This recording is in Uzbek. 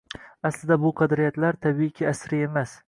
Aslida bu “qadriyatlar”, tabiiyki, asriy emas